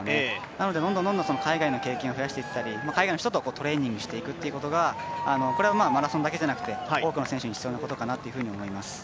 なのでどんどん海外の経験を増やしていったり海外の人とトレーニングをしていくっていうことがこれはマラソンだけではなくて多くの選手に必要なことかなと思います。